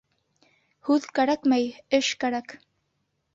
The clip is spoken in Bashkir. Һүҙ кәрәкмәй, эш кәрәк.